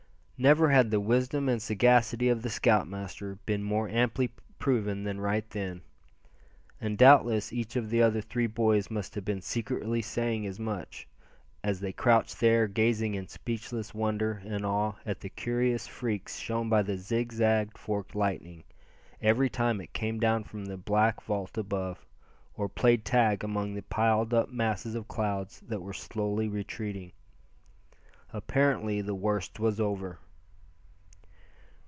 Never had the wisdom and sagacity of the scoutmaster been more amply proven than right then. And doubtless each of the other three boys must have been secretly saying as much, as they crouched there, gazing in speechless wonder and awe at the curious freaks shown by the zigzag forked lightning, every time it came down from the black vault above, or played tag among the piled up masses of clouds that were slowly retreating. Apparently the worst was over.